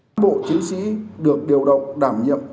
các bộ chính sĩ được điều động đảm nhiệm